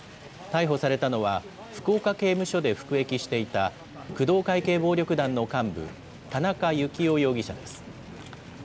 逮捕されたのは、福岡刑務所で服役していた工藤会系暴力団の幹部、田中幸雄容疑者です。